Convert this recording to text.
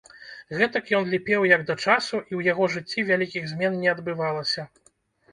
Гэтак ён ліпеў як да часу, і ў яго жыцці вялікіх змен не адбывалася.